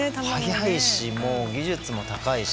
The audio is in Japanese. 速いしもう技術も高いし。